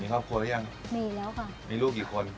มีครอบครัวหรือยังมีแล้วค่ะมีลูกกี่คนหนึ่งคนค่ะ